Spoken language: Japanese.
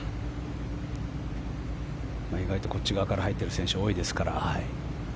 意外とこっち側から入る選手は多いですから。